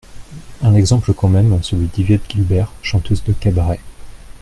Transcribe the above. Un exemple quand même, celui d’Yvette Guilbert, chanteuse de cabaret.